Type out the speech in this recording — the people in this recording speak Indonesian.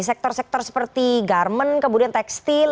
sektor sektor seperti garmen kemudian tekstil